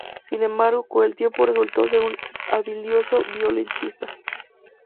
Sin embargo, con el tiempo resultó ser un habilidoso violonchelista.